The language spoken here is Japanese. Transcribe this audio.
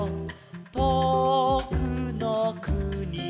「とおくのくにの」